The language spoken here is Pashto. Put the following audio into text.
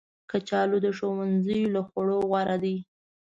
کچالو د ښوونځي له خوړو غوره دي